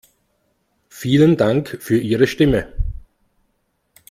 Vielen Dank für Ihre Stimme.